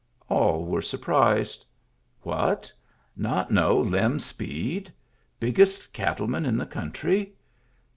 All were surprised. What? Not know Lem Speed? Biggest cattleman in the country.